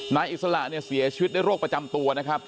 อิสระเนี่ยเสียชีวิตด้วยโรคประจำตัวนะครับ